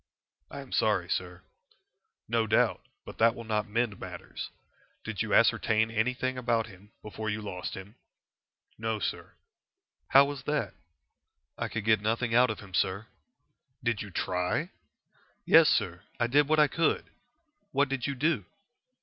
"I am sorry, sir." "No doubt. But that will not mend matters. Did you ascertain anything about him before you lost him?" "No, sir." "How was that?" "I could get nothing out of him, sir." "Did you try?" "Yes, sir; I did what I could." "What did you do?"